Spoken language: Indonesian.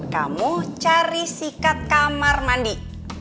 kamu cari sikat kamar mandi